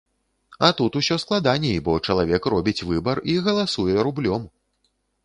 А тут усё складаней, бо чалавек робіць выбар і галасуе рублём!